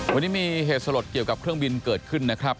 วันนี้มีเหตุสลดเกี่ยวกับเครื่องบินเกิดขึ้นนะครับ